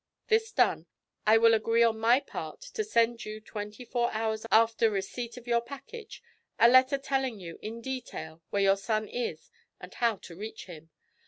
This done, I will agree on my part to send you, twenty four hours after receipt of your package, a letter telling you in detail where your son is and how to reach him.